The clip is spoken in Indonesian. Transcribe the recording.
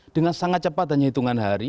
dengan sangat cepat hanya hitungan hari